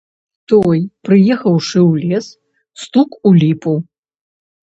Той, прыехаўшы ў лес, стук у ліпу.